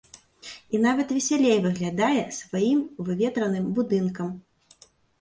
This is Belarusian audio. І нават весялей выглядае сваім выветраным будынкам.